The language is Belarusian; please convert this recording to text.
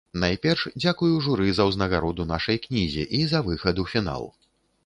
Найперш дзякую журы за ўзнагароду нашай кнізе і за выхад у фінал.